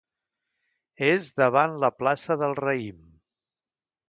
És davant la plaça del Raïm.